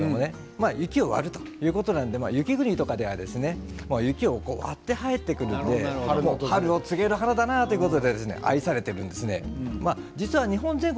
雪を割るということなので雪国では雪を割って生えてくるので春を告げる花だということで愛されています。